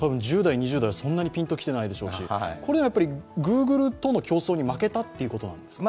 １０代２０代はピンときてないと思いますし、これはやっぱりグーグルとの競争に負けたということですか？